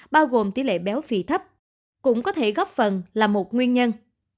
bao gồm tỷ lệ béo phì thấp cũng có thể góp phần là một nguyên nhân